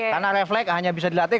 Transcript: karena refleks hanya bisa dilatih